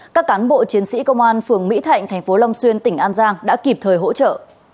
các cán bộ chiến sĩ công an phường mỹ thạnh thành phố long xuyên tỉnh an giang đã kịp thời hỗ trợ